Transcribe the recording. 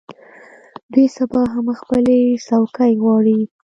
دوی سبا هم خپلې څوکۍ غواړي.